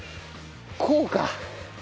こうか！